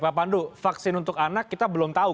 pak pandu vaksin untuk anak kita belum tahu